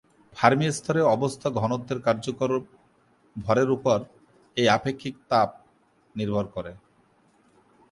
Fermi স্তরে অবস্থা ঘনত্বের কার্যকর ভরের উপর এই আপেক্ষিক তাপ নির্ভর করে।